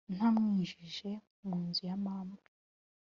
ntamwinjije mu nzu ya mama,